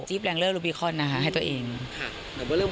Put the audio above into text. จิ๊บแรงเลอร์ลูบิคอลนะคะให้ตัวเองค่ะเหมือนว่าเริ่ม